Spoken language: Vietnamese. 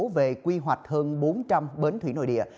về quy hoạch hơn bốn trăm linh bến thủy nội địa